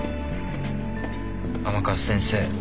甘春先生